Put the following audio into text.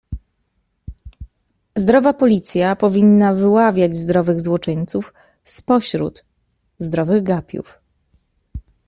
Zdrowa policja powinna wyławiać zdrowych złoczyńców spośród zdrowych gapiów.